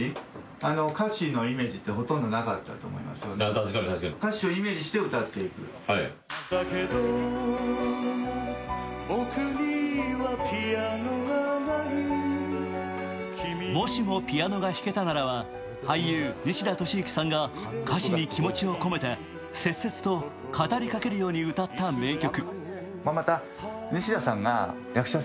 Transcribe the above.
小田の歌声を聴いてみると「もしもピアノが弾けたなら」は俳優、西田敏行さんが歌詞に気持ちを込めて切々と語りかけるように歌った名曲。